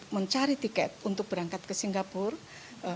mencari tiket untuk berangkat ke singapura